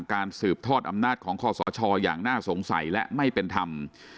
การสืบทอดอำนาจของคอสชอย่างน่าสงสัยและไม่เป็นธรรม